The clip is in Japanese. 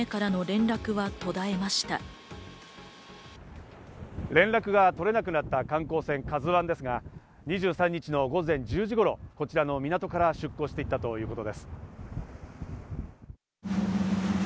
連絡が取れなくなった観光船「ＫＡＺＵ１」ですが、２３日の午前１０時頃、こちらの港から出港していったということです。